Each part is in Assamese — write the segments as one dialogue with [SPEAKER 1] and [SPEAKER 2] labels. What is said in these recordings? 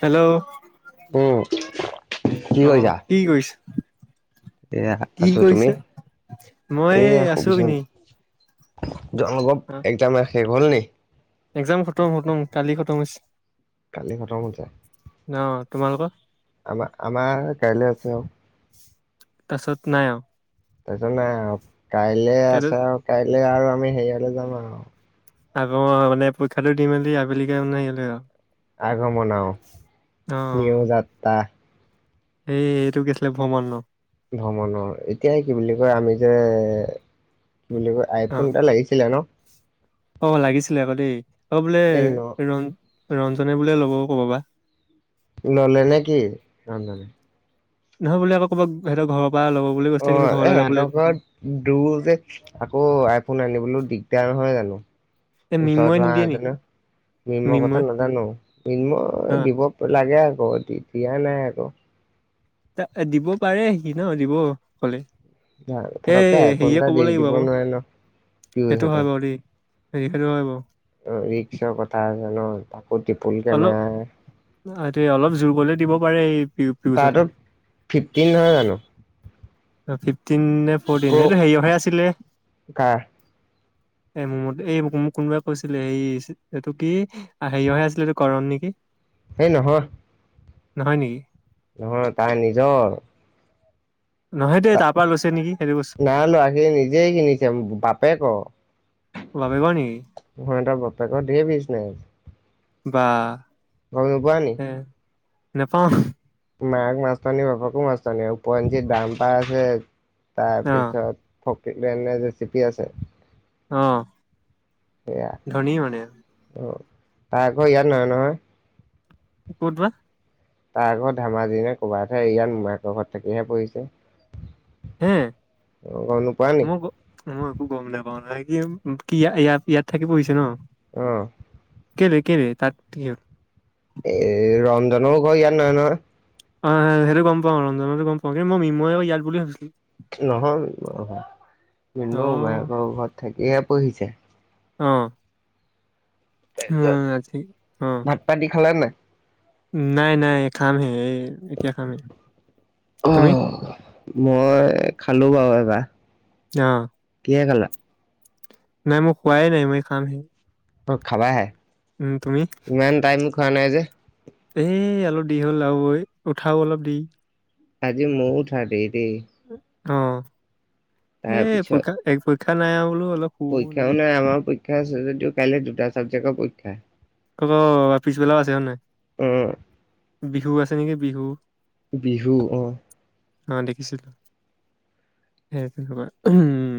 [SPEAKER 1] হেল্ল'
[SPEAKER 2] উম, কি
[SPEAKER 1] অ
[SPEAKER 2] কৰিছা?
[SPEAKER 1] কি কৰিছে?
[SPEAKER 2] এয়া
[SPEAKER 1] কি
[SPEAKER 2] আছো তুমি
[SPEAKER 1] কৰিছে? মই এই
[SPEAKER 2] এয়া
[SPEAKER 1] আছো
[SPEAKER 2] সুবিছোন।
[SPEAKER 1] এনেই
[SPEAKER 2] যাম অলপ
[SPEAKER 1] অ
[SPEAKER 2] একজাম শেষ হ'ল নি?
[SPEAKER 1] এক্জাম খতম খতম কালি খতম হৈছে।
[SPEAKER 2] কালি খট মত যায়
[SPEAKER 1] অ তোমালোকৰ
[SPEAKER 2] আমাৰ আমাৰ কাইলৈ আছে আৰু
[SPEAKER 1] তছত নাই অ
[SPEAKER 2] তাৰছত নাই আৰু কাইলে
[SPEAKER 1] এইটো
[SPEAKER 2] আছে আৰু কাইলে আৰু আমি হেৰিয়ালৈ যাম আৰু
[SPEAKER 1] আগ মানে পৰীক্ষাটো দি মেলি আবেলিকে [unintelligible]
[SPEAKER 2] আগমনও
[SPEAKER 1] অ
[SPEAKER 2] নিউ যাত্ৰা
[SPEAKER 1] এই এইটো গেছিলে ভ্ৰমণন
[SPEAKER 2] ভ্ৰমণৰ এতিয়াই কি বুলি কয় আমি যে বুলি কয়
[SPEAKER 1] অ
[SPEAKER 2] আইফোন এটা লাগিছিলে ন
[SPEAKER 1] অ লাগিছিলে আকৌ দেই আ বোলে
[SPEAKER 2] এ
[SPEAKER 1] ৰ
[SPEAKER 2] ন
[SPEAKER 1] ৰঞ্জনে বুললে ল'বও ক'ব বা
[SPEAKER 2] ল'লে নে কি ৰন্ধনে
[SPEAKER 1] নহয় বলে আকৌ কৰবাত সিহঁতৰ ঘৰ
[SPEAKER 2] অ এ সিহঁতৰ ঘৰত দূৰ যে আকৌ আইফোন আনিবলৈ দিগদাৰ নহয় জানো
[SPEAKER 1] এ মিন্ময়ে
[SPEAKER 2] ওচৰত হোৱা
[SPEAKER 1] নিদিয়ে নেকি
[SPEAKER 2] নতেনো মিমৰ কথা
[SPEAKER 1] মিন্ময়
[SPEAKER 2] নাজানো মৃন্ময় দিব লাগে আৰু অ দিতিয় নাই আকৌ
[SPEAKER 1] ত দিব পাৰে কি ন দিব কলে। এ
[SPEAKER 2] ফটককে আইফোন এটা
[SPEAKER 1] হেৰিয়ে
[SPEAKER 2] দি
[SPEAKER 1] কব লাগিব
[SPEAKER 2] দিব
[SPEAKER 1] আকৌ
[SPEAKER 2] নোৱাৰে ন কি হৈ
[SPEAKER 1] সেইটো হয় বাৰু দেই। সেনেখেতো হয় বাৰু
[SPEAKER 2] ত ৰিক্সৰ কথা জানো তাকো ত্ৰিপুল
[SPEAKER 1] অলপ
[SPEAKER 2] কেমেৰা।
[SPEAKER 1] অলপ জোৰ কৰিলে দিব পাৰে এই
[SPEAKER 2] তাৰতো
[SPEAKER 1] বিছতে
[SPEAKER 2] ফিফটিন নহয় জানো
[SPEAKER 1] ফিফটিন নে ফৰটিন
[SPEAKER 2] প্ৰ'
[SPEAKER 1] এইটো হেৰিহে আছিলে।
[SPEAKER 2] কাৰ
[SPEAKER 1] এই মোৰ এই মোক কোনোবাই কৈছিলে হেৰি এইটো কি হেৰিয়হে আছিলে এইটো কৰণ নেকি?
[SPEAKER 2] সেই নহয়।
[SPEAKER 1] নহয় নেকি?
[SPEAKER 2] নহয় তাৰ নিজৰ।
[SPEAKER 1] নহয় দেই তাৰ পৰা লৈছে নেকি? সেইটো বস্তু
[SPEAKER 2] নাই লৰাখিন নিজেই কিনিছে বাপে ক
[SPEAKER 1] বাপেকৰ নেকি
[SPEAKER 2] সহতৰ বাপেকৰ ধৰ বিছনেছ।
[SPEAKER 1] বা
[SPEAKER 2] গম ন পোৱা নি?
[SPEAKER 1] নাপাও।
[SPEAKER 2] মাক মাছতনি বাপাকো মাছতনি উপঞ্জিত দাম্পা আছে
[SPEAKER 1] অ
[SPEAKER 2] তাৰপিছত ফকী এনে ৰেচিপি আছে।
[SPEAKER 1] আহ।
[SPEAKER 2] এয়া অ তই ক ইয়াত নহয় নয়
[SPEAKER 1] ক'ত বা?
[SPEAKER 2] তাৰ ঘৰ ধেমাজি নে ক'ৰবাতহে ইয়াত মোমায়েকৰ ঘৰত থাকিহে পৰিছে।
[SPEAKER 1] হে
[SPEAKER 2] অ গম নোপোৱা নি
[SPEAKER 1] মই মই একো গম নাপাও নহয় কি ইয়াত ইয়াত থাকি পঢ়িছে ন?
[SPEAKER 2] অহ
[SPEAKER 1] কেলে কেলে তাত কি হ'ল?
[SPEAKER 2] এ ৰঞ্জনৰো ঘৰ ইয়াত নহয় নহয়
[SPEAKER 1] অ হয় সেইটো গম পাওঁ ৰঞ্জনতো গম পাওঁ কিন্তু মই মৃন্ময়ৰ ইয়াত বুলি ভাবিছিলো।
[SPEAKER 2] নহয় ম মৃণ্ময়
[SPEAKER 1] অ',
[SPEAKER 2] মোমায়েকৰ ঘৰত থাকিহে পঢ়িছে।
[SPEAKER 1] অ
[SPEAKER 2] তাৰ পিছত
[SPEAKER 1] উম, আজি অ',
[SPEAKER 2] ভাত পানি খালা নাই?
[SPEAKER 1] নাই নাই খাম হে
[SPEAKER 2] আহ মই খালো বাৰু এবাৰ
[SPEAKER 1] আহ
[SPEAKER 2] কিহে খালা?
[SPEAKER 1] নাই মই খোৱাই নাই এই খাম হে।
[SPEAKER 2] অ খাবা হে?
[SPEAKER 1] উম তুমি
[SPEAKER 2] খোৱা নাই যে
[SPEAKER 1] এ অলপ দি হ'ল আৰুঐ উঠাও অলপ দি
[SPEAKER 2] আজি মোও উঠা দেৰি দেই।
[SPEAKER 1] অ এই
[SPEAKER 2] তাৰপিছত
[SPEAKER 1] পৰীক্ষা পৰীক্ষা নাই আৰু বোলো অলপ শু
[SPEAKER 2] পৰীক্ষাও
[SPEAKER 1] এনেকে।
[SPEAKER 2] নাই আমাৰ পৰীক্ষা আছে যদিও কাইলৈ দুটা চাবজেক্টৰ পৰীক্ষা
[SPEAKER 1] ক অ পিচ বেলাও আছে হয় নাই?
[SPEAKER 2] উ
[SPEAKER 1] বিহু আছে নেকি বিহু
[SPEAKER 2] বিহু অহ
[SPEAKER 1] অ দেখিছিলো সেইটো [unintelligible] উম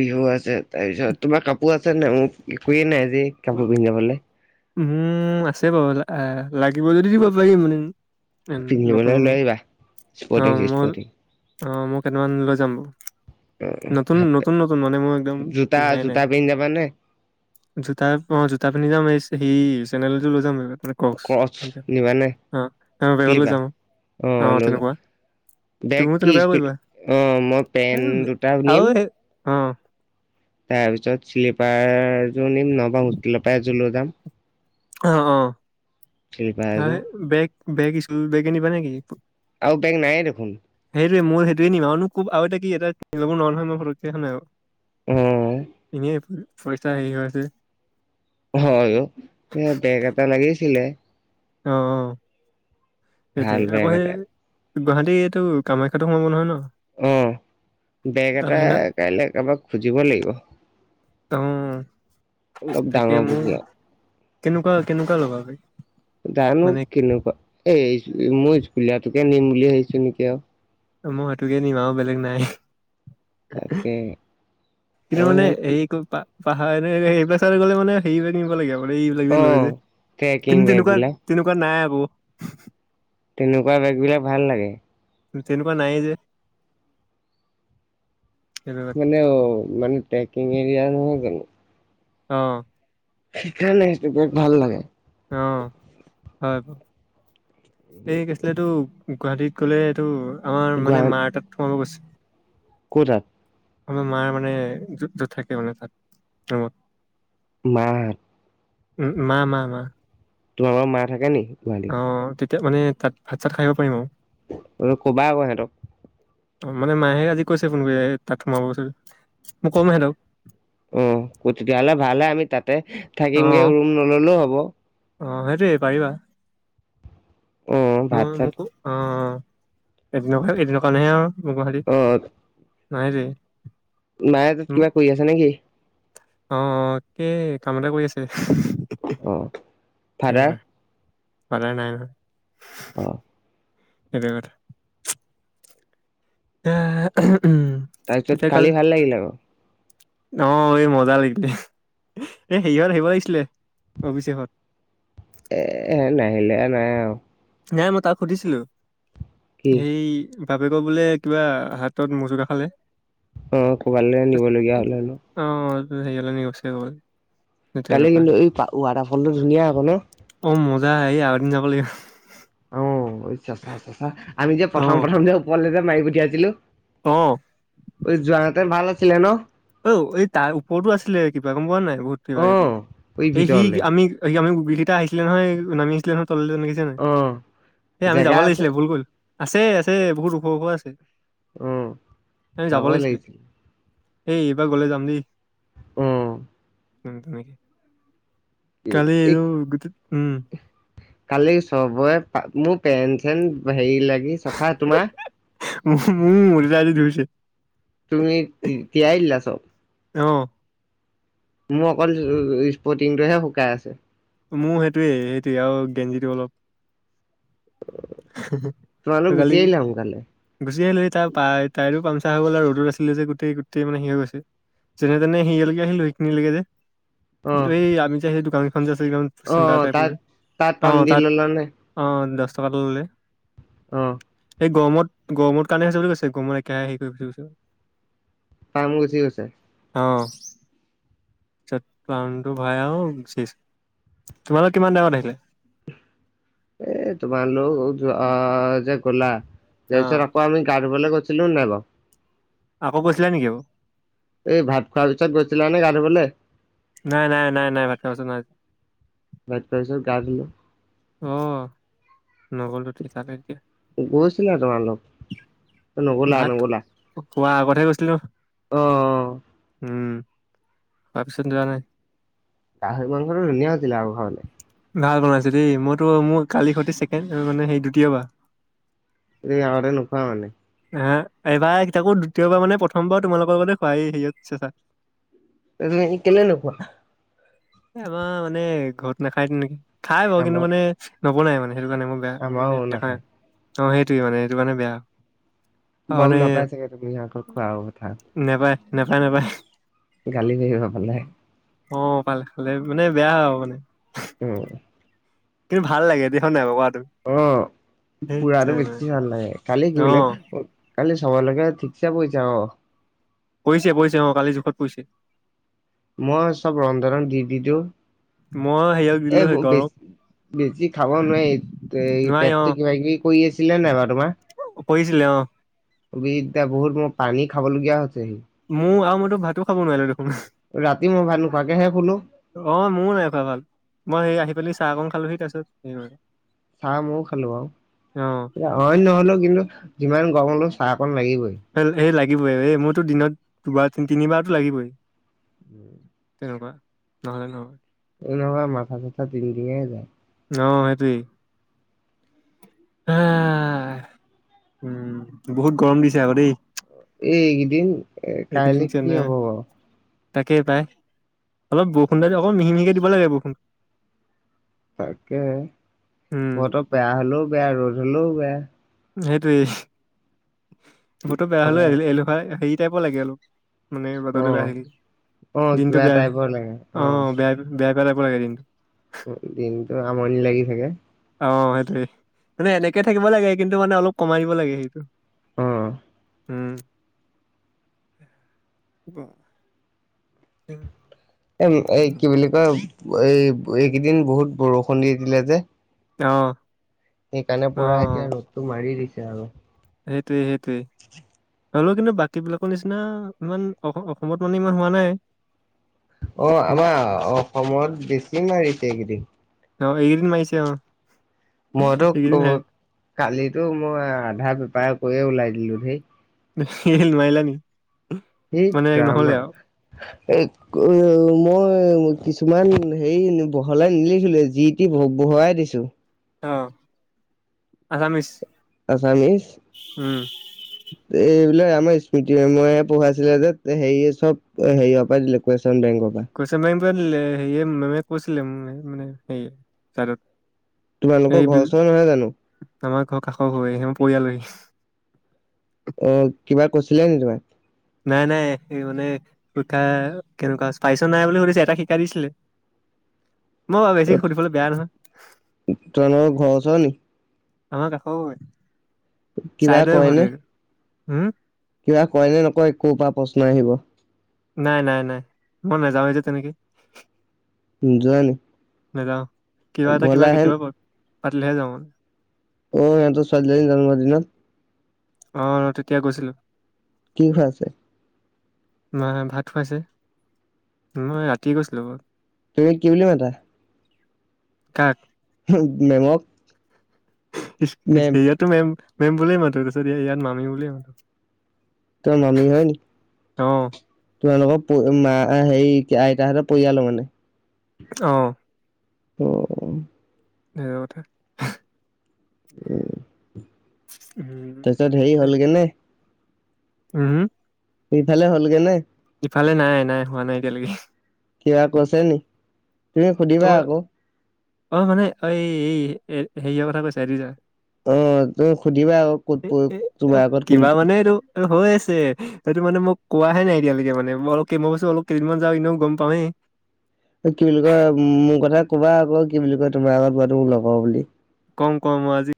[SPEAKER 2] বিহু আছে তাৰ পিছত তোমাৰ কাপোৰ আছে নাই মোৰ একোৱে নাই যে কাপোৰ পিন্ধি যাবলে।
[SPEAKER 1] উম আছে বাৰু লাগিব যদি দিব পাৰিম মানে উ নতুন
[SPEAKER 2] পিন্ধিবলৈ লৈ
[SPEAKER 1] নতুন
[SPEAKER 2] আহিবা
[SPEAKER 1] অ
[SPEAKER 2] স্পৰ্টিং
[SPEAKER 1] মই
[SPEAKER 2] স্পৰ্টিং
[SPEAKER 1] অ মই কেইটামান লৈ যাম
[SPEAKER 2] অ
[SPEAKER 1] বাৰু। নতুন
[SPEAKER 2] হাফ পেণ্ট।
[SPEAKER 1] নতুন নতুন মানে মোৰ একদম
[SPEAKER 2] জোতা
[SPEAKER 1] পিন্ধাই
[SPEAKER 2] জোতা
[SPEAKER 1] নাই।
[SPEAKER 2] পিন্ধি যাবানে
[SPEAKER 1] জোতা অ জোতা পিন্ধি যাম এই সি চেন্দল এযোৰ লৈ যাম বেগত। মানে ককচ
[SPEAKER 2] ক্ৰচ নিবানে
[SPEAKER 1] আ আ মই বেগত লৈ
[SPEAKER 2] শ্লিপাৰ
[SPEAKER 1] যাম অ
[SPEAKER 2] লৈ যাম
[SPEAKER 1] তেনেকুৱা
[SPEAKER 2] বেগ
[SPEAKER 1] তুমিও
[SPEAKER 2] কি
[SPEAKER 1] তেনেকুৱাই
[SPEAKER 2] স্কুল
[SPEAKER 1] কৰিবা
[SPEAKER 2] অ মই
[SPEAKER 1] এ
[SPEAKER 2] পেন দুটা
[SPEAKER 1] আৰু
[SPEAKER 2] নিম
[SPEAKER 1] সেই অ
[SPEAKER 2] তাৰ পিছত শ্লিপাৰযোৰ নিম নহবা হোষ্টেলৰ পৰা এযোৰ লৈ যাম।
[SPEAKER 1] অ অ
[SPEAKER 2] শ্লিপাৰ এযোৰ
[SPEAKER 1] সেই বেগ বেগ স্কুল বেগে নিবা নে কি?
[SPEAKER 2] আৰু বেগ নাই দেখোন।
[SPEAKER 1] সেইটোৱে মইও সেইটোৱেই নিম আৰুনো কৌপা আও এতিয়া কি এতিয়া কিনি ল'ব নোৱাৰো নহয় মই ফতকে হয় নাই বাও?
[SPEAKER 2] অ
[SPEAKER 1] এনে পইচা হেৰি হৈ আছে।
[SPEAKER 2] হয় অ এ বেগ এটা লাগিছিলে
[SPEAKER 1] অ অ সেইটো
[SPEAKER 2] ভাল
[SPEAKER 1] আকৌ
[SPEAKER 2] বেগ
[SPEAKER 1] সেই
[SPEAKER 2] এটা
[SPEAKER 1] গুৱাহাটী এইটো কামাখ্যাটো সোমাব নহয় ন?
[SPEAKER 2] অহ বেগ
[SPEAKER 1] ত
[SPEAKER 2] এটা
[SPEAKER 1] সেইদিনা
[SPEAKER 2] কাইলে কাৰোবাক খুজিব লাগিব।
[SPEAKER 1] অম
[SPEAKER 2] অলপ ডাঙৰ বকীয়া।
[SPEAKER 1] কেনেকুৱা কেনেকুৱা লগাবি
[SPEAKER 2] জানো
[SPEAKER 1] মানে
[SPEAKER 2] কেনেকুৱা এই স্কুলীয়াটোকে নিম বুলি ভাবিছো নেকি আৰু
[SPEAKER 1] মই সেইটোকে নিম আও আৰু বেলেগ নাই
[SPEAKER 2] তাকে অ
[SPEAKER 1] কিন্তু মানে
[SPEAKER 2] নহয় কি
[SPEAKER 1] এই ক পা পাহাৰ এনে স এইবছাৰ গলে মানে হেৰি প নি লাগে আৰু ক এইবিলাক
[SPEAKER 2] অ
[SPEAKER 1] লয় যে
[SPEAKER 2] ট্ৰেকিং
[SPEAKER 1] কিন্তু
[SPEAKER 2] বেগ
[SPEAKER 1] তেনেকুৱা
[SPEAKER 2] বিলাক
[SPEAKER 1] তেনেকুৱা নাই আকৌ।
[SPEAKER 2] তেনেকুৱা বেগ বিলাক ভাল লাগে
[SPEAKER 1] তেনেকুৱা নায়েই যে। সেইবিলাক।
[SPEAKER 2] মানে অঁ মানে ট্ৰেকিং এৰিয়া নহয় জানো।
[SPEAKER 1] অঁ!
[SPEAKER 2] সেইকাৰণে সেইটো বেট ভাল লাগে।
[SPEAKER 1] অঁ হয় ব এই কি আছিলে এই তো গুৱাহাটীত গ'লে এইটো আমাৰ মানে মাৰ তাত সোমাব গৈছে!
[SPEAKER 2] ক'তাত
[SPEAKER 1] আমাৰ মাৰ মানে যত থাকে মানে তাত, ‌ ৰুমত।
[SPEAKER 2] মা!
[SPEAKER 1] উম উম, মা মা মা।
[SPEAKER 2] তোমালোকৰ মা থাকে নি? গুৱাহাটীত
[SPEAKER 1] অ' তেতিয়া মানে তাত ভাত চাত খাই আহিব পাৰিম আৰু।
[SPEAKER 2] অ' কবা আকৌ সিহঁতক।
[SPEAKER 1] অ' মানে মা হে আজি কৈছে ফোন কৰি তাত সোমাব কৈছে। মই কম সিহঁতক।
[SPEAKER 2] অহ অ তেতিয়াহলে ভাল হে আমি তাতে
[SPEAKER 1] অ
[SPEAKER 2] থাকিমগে ৰুম নল'লেও হ'ব।
[SPEAKER 1] অ' সেইটোৱে পাৰিবা
[SPEAKER 2] অ ভাত
[SPEAKER 1] মই
[SPEAKER 2] চাত
[SPEAKER 1] মোকো অ' এদিনৰ - এদিনৰ কাৰনেহে আৰু গুৱাহাটী, অ' সেইটোৱে।
[SPEAKER 2] মায়ে তাত কিবা কৰি আছে নেকি?
[SPEAKER 1] অঁ' 'অঁ' কে কাম এটা কৰি আছে।
[SPEAKER 2] অ'। ফাদাৰ
[SPEAKER 1] তেনেকুৱা [unintelligible]
[SPEAKER 2] অ
[SPEAKER 1] সেইটো কথা। [unintelligible]
[SPEAKER 2] তাৰপিছত
[SPEAKER 1] তেতিয়া কাল
[SPEAKER 2] কালি ভাল লাগিল আকৌ।
[SPEAKER 1] অ' এই মজা লাগিলে, এ হেৰিহঁত আহিব লাগিছিলে। অভিষেকহঁত
[SPEAKER 2] এ নাহিলে নাই আৰু।
[SPEAKER 1] নাই মই তাক সুধিছিলো
[SPEAKER 2] কি
[SPEAKER 1] সেই বাপেকৰ বোলে কিবা হাতত মোচকা খালে।
[SPEAKER 2] অ ক'বালৈ নিবলগীয়া হলে ন
[SPEAKER 1] অ' [unintelligible]
[SPEAKER 2] কালি
[SPEAKER 1] তেনেকুৱা
[SPEAKER 2] কিন্তু এই ৱাটাৰফল টো ধুনীয়া আক ন'?
[SPEAKER 1] না এই আৰু এদিন যাব লাগিব।
[SPEAKER 2] [unintelligible] চেঁচা চেঁচা, আমি যে প্ৰথম
[SPEAKER 1] অ'
[SPEAKER 2] প্ৰথম যে ওপৰলে যে মাৰি পঠিয়াইছিলো!
[SPEAKER 1] অ'
[SPEAKER 2] অই যোৱাহেতেন ভাল আছিলে ন?
[SPEAKER 1] ঔ এই তাৰ ওপৰতো আছিলে কিবা গম পোৱা নাই বহুত কিবা
[SPEAKER 2] অ
[SPEAKER 1] কিবি। এই সি আমি এই আমি কিটা আহিছিলে নহয় নামি আহিছিলে নহয় তললে দেখিছিলা নাই?
[SPEAKER 2] অ
[SPEAKER 1] এ আমি যাব
[SPEAKER 2] জেগা আছে
[SPEAKER 1] লাগিছিলে ভুল কৰিলোঁ। আছে আছে বহুত ওখ ওখ আছে।
[SPEAKER 2] উম,
[SPEAKER 1] আমি যাব
[SPEAKER 2] যাবই
[SPEAKER 1] লাগিছিলে
[SPEAKER 2] লাগিছিল।
[SPEAKER 1] এই এইবাৰ গলে যাম দেই।
[SPEAKER 2] উম।
[SPEAKER 1] উম তেনেকে। কালি এইটো গোটেই উম
[SPEAKER 2] কালি চবৰে পা মোৰ পেৰেণ্টছ হেন হেৰি লাগি চাফা তোমাৰ?
[SPEAKER 1] মোৰ দেউতাই আজি ধৰিছে।
[SPEAKER 2] তুমি তিয়াই দিলা চব?
[SPEAKER 1] অঁ'।
[SPEAKER 2] মোৰ অকল স্পৰ্টিংটোহে শুকাই আছে।
[SPEAKER 1] মোৰ সেইটোৱে - সেইটোৱে আৰু গেঞ্জিটো অলপ।
[SPEAKER 2] তোমালোক গুচি
[SPEAKER 1] কালি কি,
[SPEAKER 2] আহিলা সোনকালে
[SPEAKER 1] গুচি আহিলো তাৰ পাই তায়াৰো পামচা চাৰ হৈ গ'ল আৰু ৰ'দত আছিলে যে গোটেই গোটেই মানে সেই হৈ গৈছে। যেনে তেনে হেৰিয়ালৈকে আহিলো সেইখিনিলৈকে যে
[SPEAKER 2] অ
[SPEAKER 1] তুমি আমি যে সেই দোকানত? [unintelligible]
[SPEAKER 2] অ
[SPEAKER 1] চেন্তাৰ টাইপৰ
[SPEAKER 2] তাত
[SPEAKER 1] যে,
[SPEAKER 2] তাত পাম
[SPEAKER 1] অ'
[SPEAKER 2] দি
[SPEAKER 1] তাত
[SPEAKER 2] ললা নে
[SPEAKER 1] অ' দছ টকা এটা ললে।
[SPEAKER 2] অহ।
[SPEAKER 1] এই গৰমত গৰমত কাৰণে হৈছে বুলি ‌কৈছে, ‌গৰমত একেৰাহে হেৰি কৰি [unintelligible]
[SPEAKER 2] পাম গুচি গৈছে?
[SPEAKER 1] অ' পিছত পামটো ভৰাই আৰু গুচি আহিছো। তোমালোক কিমান টাইমত আহিলে?
[SPEAKER 2] এ তোমাৰলোক যে গ'লা। তাৰ
[SPEAKER 1] অ',
[SPEAKER 2] পিছত আকৌ আমি গা ধুবলৈ গৈ চিলো নাই বাও?
[SPEAKER 1] আকৌ কৈছিলা নেকি অউ।
[SPEAKER 2] এই ভাত খোৱা পিছত গৈছিলা নে গা ধুবলে?
[SPEAKER 1] নাই নাই নাই নাই ভাত খোৱা পাছত নাই যোৱা।
[SPEAKER 2] ভাত খোৱা পিচত গা ধুলো।
[SPEAKER 1] অ নগল ত থি থাতে এতিয়া।
[SPEAKER 2] গৈছিলা তোমাৰ অলপ। নগলা নগলা।
[SPEAKER 1] কোৱা আগতহে গৈছিলো।
[SPEAKER 2] অ।
[SPEAKER 1] উম অঁ পিছত যোৱা নাই?
[SPEAKER 2] গাহৰি মাংসটো ধুনীয়া হৈছিলে আকৌ খাবলে।
[SPEAKER 1] ভাল বনাইছে দেই। মইতো মোৰ কালিৰ সৈতে ছেকেণ্ড মানে সেই দ্বিতীয় বাৰ।
[SPEAKER 2] এ আগতে নোখোৱা মানে।
[SPEAKER 1] হে এইবাৰ তাকো দ্বিতীয়বাৰ মানে প্ৰথমবাৰ তোমালোকৰ লগতে খোৱা হেইয়ত চেছা।
[SPEAKER 2] কেলে নোপোৱা?
[SPEAKER 1] এ আমাৰ মানে ঘৰত নাখায় তেনেকে। খাই বাও কিন্তু
[SPEAKER 2] আমাৰ
[SPEAKER 1] মানে নবনাই মানে। সেইটো কাৰণে মোৰ বেয়া
[SPEAKER 2] আমাৰো
[SPEAKER 1] মানে
[SPEAKER 2] নাখায়
[SPEAKER 1] নেখাওৱে। অ সেইটোৱে মানে সেইটো কাৰণে বেয়া। অ
[SPEAKER 2] গম
[SPEAKER 1] মানে
[SPEAKER 2] নাপাই চাগে তুমি সিহঁতক খোৱা কথা।
[SPEAKER 1] নাপায় নাপায়।
[SPEAKER 2] গালি বিহিব পালে।
[SPEAKER 1] অ পালে খালে মানে বেয়া আউ মানে।
[SPEAKER 2] উম।
[SPEAKER 1] কিন্তু ভাল লাগে দেখ নাই কবাত।
[SPEAKER 2] অ পুৰাটো
[SPEAKER 1] মানে
[SPEAKER 2] বেছি ভাল লাগে। কালি কি
[SPEAKER 1] অ
[SPEAKER 2] বুলে কালি চাব লাগে ঠিকছে বইছা অ।
[SPEAKER 1] পৰিছে পৰিছে অ কালি জোখত পৰিছে।
[SPEAKER 2] মই চব ৰন্ধনত দি দি দিও।
[SPEAKER 1] মই সেইয়ক দিলো সেই গৰক।
[SPEAKER 2] বেছি খাব নোৱাৰি। এই
[SPEAKER 1] নোৱাৰি অ
[SPEAKER 2] পেটটো কিবা কিবি কৰি আছিলে নাই বাৰু তোমাৰ?
[SPEAKER 1] কৰিছিলে অ।
[SPEAKER 2] বিদ্যা বহুত মোৰ পানী খাবলগীয়া হৈছেহি।
[SPEAKER 1] মো আউ মইতো ভাতো খাব নোৱাৰিলো দেখুন।
[SPEAKER 2] ৰাতি মই ভাত নোখোৱাকেহে শুলো
[SPEAKER 1] অ মও নাই খোৱা ভাত। মই সেই আহি পালিচ চাহ অকন খালোহি তাপিচত।
[SPEAKER 2] চাহ মও খালো আউ। এয়া অইন নহলেও কিন্তু যিমান গৰম হলো চাহ অকন লাগিবই।
[SPEAKER 1] সেই লাগিবই, এই মোৰতো দিনত দুবাৰ তি তিনিবাৰতো লাগিবই।
[SPEAKER 2] উম।
[SPEAKER 1] তেনেকুৱা নহ'লে নহয়।
[SPEAKER 2] নহয় মাথা চাথা তিংটিঙাই যায়।
[SPEAKER 1] অ সেইটোৱেই। হে উম। বহুত গৰম দিছে আকৌ দেই।
[SPEAKER 2] এইকেইদিন। কাইলে কি হব বাও।
[SPEAKER 1] তাকে পায়। অলপ বৰষুণ দিল অ মিহি মিহিকে দিব লাগে বৰষুণ।
[SPEAKER 2] তাকে
[SPEAKER 1] উম
[SPEAKER 2] বতৰ বেয়া হ'লেও বেয়া, ৰ'দ হলেও বেয়া।
[SPEAKER 1] সেইটোয়ে বতৰ বেয়া হলে
[SPEAKER 2] কৰা
[SPEAKER 1] এলে আলেহুৱাই হেই টাইপ লাগে অলপ। মানে
[SPEAKER 2] অ
[SPEAKER 1] বতৰটো বেয়া হৈ থাকিলে।
[SPEAKER 2] অ
[SPEAKER 1] দিনটো
[SPEAKER 2] কিবা
[SPEAKER 1] বেয়া
[SPEAKER 2] টাইপৰ লাগে
[SPEAKER 1] অ বেয়া বেয়া। [unintelligible]
[SPEAKER 2] দিনটো আমনি লাগি থাকে।
[SPEAKER 1] অঁ সেইটোয়ে মানে এনেকে থাকিব লাগে কিন্তু মানে অলপ কমাই দিব লাগে।
[SPEAKER 2] অ
[SPEAKER 1] উম' উম'
[SPEAKER 2] এ' এ কি বুলি কয় এই এইকেইদিন বহুত বৰষুণ দি দিলে যে।
[SPEAKER 1] অঁ
[SPEAKER 2] সেইকাৰণে পুৰা এতিয়া ৰ'দটো মাৰি দিছে আৰু।
[SPEAKER 1] সেইটোৱে সেইটোৱে। হলো কিন্তু বাকী বিলাকৰ নিচিনা ইমান অসমত মানে ইমান হোৱা নাই?
[SPEAKER 2] অ আমাৰ অসমত বেছি মাৰিছে এইকেদিন।
[SPEAKER 1] অঁ এইকেইদিন মাৰিছে অঁ।
[SPEAKER 2] মই টো কালিতো মই আধা বেপাৰ কৰিয়ে ওলাই দিলো হে
[SPEAKER 1] এই নোৱাৰিলা নেকি।
[SPEAKER 2] সেইট ৰাম ৰাম। এ' মই কিছু- মান হেৰি বহলাই নিলিখিলো যি টি ব বহুৱাই দিছো।
[SPEAKER 1] অঁ আছামিজ
[SPEAKER 2] আছামিছ এই- আমাৰ স্মৃতি মেমে এ পঢ়াইছিলে যে হেৰি চব হেৰিয়াৰ পৰাই দিলে। চোন বেংকৰ পৰা।
[SPEAKER 1] টোৱে দিলে সেয়ে মেমে কৈছিলে মোক মানে সেই চাইতত
[SPEAKER 2] তোমালোকৰ ঘৰ ওচৰ নহয় জানো?
[SPEAKER 1] আমাৰ ঘৰৰ কাষৰ ঘৰে আমাৰ পৰিয়ালৰে।
[SPEAKER 2] এ' কিবা কৈছিলে নেকি তোমাক?
[SPEAKER 1] নাই নাই সেই মানে পৰিক্ষা কেনেকুৱা পাৰিছ নাই বুলি সুধিছে এটা শিকাই দিছিলে। মই বাৰু বেছি সুধিবলৈ বেয়া নহয়
[SPEAKER 2] তোমালোকৰ ঘৰৰ ওচৰে নেকি?
[SPEAKER 1] আমাৰ কাষৰ ঘৰ টোয়ে
[SPEAKER 2] কিবা
[SPEAKER 1] চাইদাৰ
[SPEAKER 2] কয়
[SPEAKER 1] ঘৰ
[SPEAKER 2] নে
[SPEAKER 1] টোয়ে। হম'
[SPEAKER 2] কিবা কয় নে নকয় ক'ৰ পৰা প্ৰশ্ন আহিব?
[SPEAKER 1] নাই নাই নাই মই নাযাওঁ এ যে তেনেকে।
[SPEAKER 2] নোযোৱা নেকি।
[SPEAKER 1] নেযাওঁ কিবা এটা কিবা কেতিয়াবা পাতিলে হে যাওঁ মানে।
[SPEAKER 2] অ সিহঁতৰ ছোৱালী জন্মৰ দিনত?
[SPEAKER 1] অঁ তেতিয়া গৈছিলো।
[SPEAKER 2] কি খোৱাই ছিলে?
[SPEAKER 1] মাছ, ভাত খুৱাইছে। মই ৰাতি গৈছিলো।
[SPEAKER 2] তুমি কি বুলি মাতা?
[SPEAKER 1] কাক
[SPEAKER 2] মেমক? মেম
[SPEAKER 1] স্কুল টো মেম মেম বুলিয়ে মাতো তাৰপিছত ইয়াত মামি বুলিয়ে মাতো।
[SPEAKER 2] তোমাৰ মামি হয়
[SPEAKER 1] অ'।
[SPEAKER 2] নেকি? তোমালোকৰ মা' হেৰি আইতাহঁতৰ পৰিয়ালৰ হয় মানে?
[SPEAKER 1] অঁ
[SPEAKER 2] উম'
[SPEAKER 1] নিজৰ কতে।
[SPEAKER 2] উম'
[SPEAKER 1] উম
[SPEAKER 2] তাৰপিছত হেৰি হ'লগে নে?
[SPEAKER 1] উম' হম?
[SPEAKER 2] সিফালে হ'লগে নে?
[SPEAKER 1] ইফালে নাই নাই হোৱা নাই এতিয়া লৈকে।
[SPEAKER 2] কিবা কৈছে নেকি? তুমি
[SPEAKER 1] অ
[SPEAKER 2] সুধিবা আকৌ?
[SPEAKER 1] অ' মানে অ' এই হেৰিয় কথা কৈছা লিজাৰ।
[SPEAKER 2] অ তুমি সুধিবা আকৌ ক'ত
[SPEAKER 1] এ
[SPEAKER 2] প
[SPEAKER 1] এ
[SPEAKER 2] তোমাৰ আগত কোন
[SPEAKER 1] কিবা মানেটো হৈ আছে। সেইটো মানে মোক কোৱাহে নাই। এতিয়ালৈনে ম অল মই কৈছো অল কেইদিনমান যাওঁ এনেও গম পাৱে
[SPEAKER 2] কি বুলি কয় মোৰ কথা কবা আকৌ কি বুলি কয় তোমাৰ আগত বোৱাটো লগ বুলি।
[SPEAKER 1] কম কম আজি